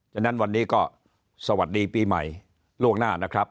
ฉะนั้นวันนี้ก็สวัสดีปีใหม่ล่วงหน้านะครับ